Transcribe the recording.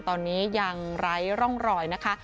ตอนนี้ยังไร้ร่องรอยนะคะ